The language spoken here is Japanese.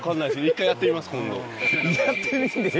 一回やってみます。